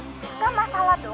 ini zamannya modern